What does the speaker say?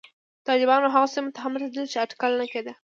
طالبان هغو سیمو ته هم رسېدلي چې اټکل نه کېده